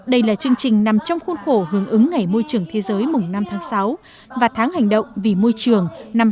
đây là chương trình nằm trong khuôn khổ hướng ứng ngày môi trường thế giới mùng năm tháng sáu và tháng hành động vì môi trường năm hai nghìn hai mươi bốn